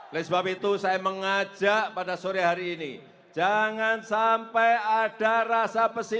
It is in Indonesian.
oleh sebab itu saya mengajak pada sore hari ini jangan sampai ada rasa besi